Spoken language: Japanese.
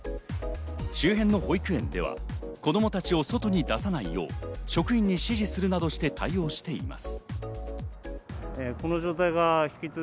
周辺の保育園では子供たちを外に出さないよう職員に指示するなどして対応しています。